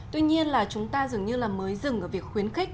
tuy nhiên là chúng ta dường như là mới dừng ở việc khuyến khích